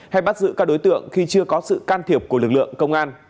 hay bắt giữ các đối tượng khi chưa có sự can thiệp của lực lượng công an